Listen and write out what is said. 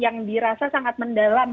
yang dirasa sangat mendalam